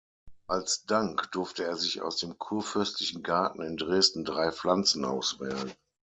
Als Dank durfte er sich aus dem kurfürstlichen Garten in Dresden drei Pflanzen auswählen.